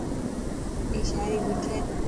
اي شاعري لکي ٿو.